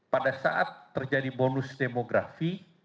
pada saat terjadi bonus demografi